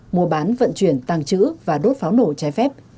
mua bán vận chuyển tàng trữ và đốt pháo nổ trái phép